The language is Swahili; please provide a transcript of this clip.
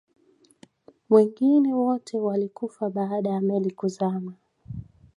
wengine wote walikufa baada ya meli kuzama